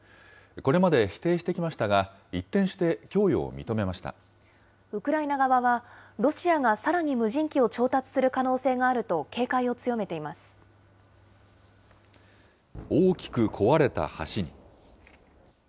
これまで否定してきましたが、ウクライナ側は、ロシアがさらに無人機を調達する可能性があると警戒を強めていま大きく壊れた橋に。